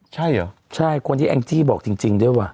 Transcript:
ใช่เหรอใช่คนที่แองจี้บอกจริงด้วยว่ะ